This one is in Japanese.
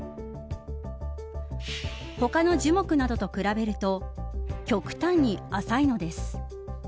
他の樹木などと比べると極端に浅いのです。